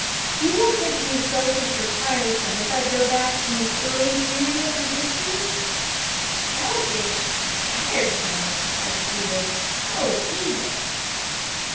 You won't think me selfish or tiresome if I go back to an early period of my history?" "Selfish! tiresome!" I repeated, "oh, Edith!"